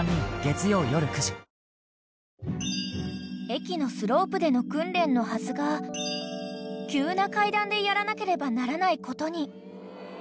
［駅のスロープでの訓練のはずが急な階段でやらなければならないことに］